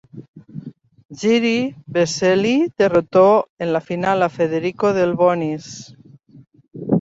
Jiří Veselý derrotó en la final a Federico Delbonis.